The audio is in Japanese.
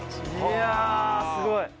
いやすごい！